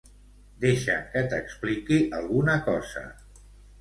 Deixa que t'expliqui alguna cosa.